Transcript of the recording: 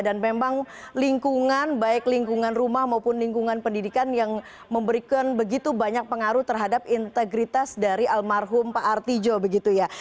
dan memang lingkungan baik lingkungan rumah maupun lingkungan pendidikan yang memberikan begitu banyak pengaruh terhadap integritas dari almarhum pak arti jok begitu ya